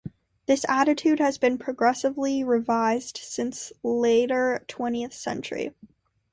This attitude has been progressively revised since the later twentieth century.